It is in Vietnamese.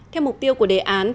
theo mục tiêu của đề án